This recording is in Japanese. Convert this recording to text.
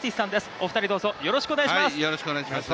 お二人どうぞ、よろしくお願いします。